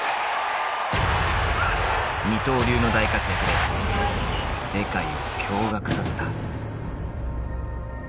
二刀流の大活躍で世界を驚がくさせた。